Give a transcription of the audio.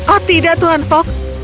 oh tidak tuan fogg